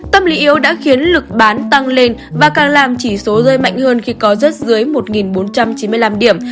tâm lý yếu đã khiến lực bán tăng lên và càng làm chỉ số rơi mạnh hơn khi có rất dưới một bốn trăm chín mươi năm điểm